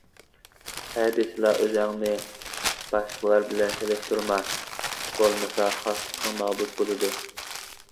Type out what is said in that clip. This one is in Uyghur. ھە دېسىلا ئۆزۈڭنى باشقىلار بىلەن سېلىشتۇرما، بولمىسا خاسلىقىڭ نابۇت بولىدۇ.